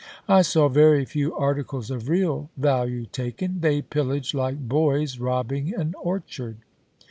I saw very few articles of real value taken — they pillaged like boys robbing an orchard.